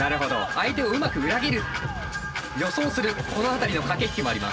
相手をうまく裏切る予想するこの辺りの駆け引きもあります。